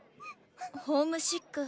ホームシック？